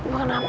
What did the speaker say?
bukan apa bu